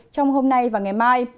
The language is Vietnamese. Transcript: trong hôm nay và ngày mai